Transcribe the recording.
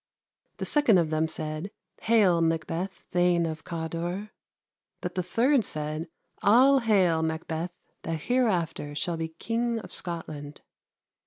The second of them said; 'Haile, Makbeth, thane of Cawder.' But the third said; 'All haile, Makbeth, that heereafter shall be King of Scotland.'